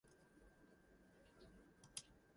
It restores his confidence and adds bravado to his essence.